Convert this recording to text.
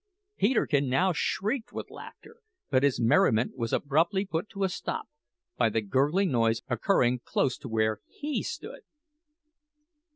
Peterkin now shrieked with laughter; but his merriment was abruptly put a stop to by the gurgling noise occurring close to where he stood.